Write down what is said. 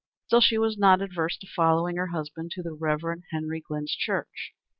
Still she was not averse to following her husband to the Rev. Henry Glynn's church.